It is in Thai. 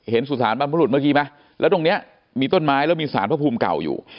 สุสานบรรพรุษเมื่อกี้ไหมแล้วตรงเนี้ยมีต้นไม้แล้วมีสารพระภูมิเก่าอยู่